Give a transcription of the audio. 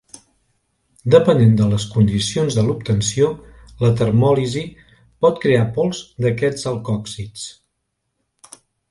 Depenent de les condicions de l'obtenció, la termòlisi pot crear pols d'aquests alcòxids.